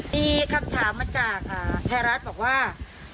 มีคำถามมาจากไทยรัฐบอกว่า